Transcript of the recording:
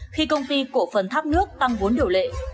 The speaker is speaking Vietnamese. khi công ty cổ phần tháp nước tăng vốn điều lệ